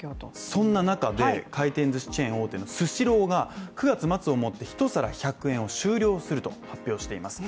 そんな中で、回転ずしチェーン大手のスシローが９月末をもって１皿１００円を終了すると発表しています。